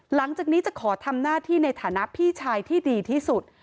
หลังจากนี้จะขอทำหน้าที่ในฐานะพี่ชายที่ดีที่สุด